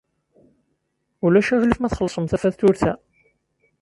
Ulac aɣilif ma txellṣem tafatuṛt-a?